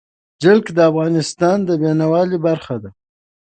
جلګه د افغانستان د بڼوالۍ برخه ده.